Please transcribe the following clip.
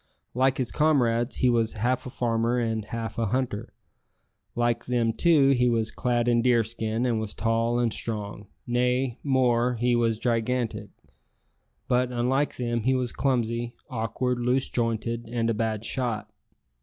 Like his comrades, he was half a farmer and half a hunter. Like them, too, he was clad in deerskin, and was tall and strong nay, more, he was gigantic. But, unlike them, he was clumsy, awkward, loose jointed, and a bad shot.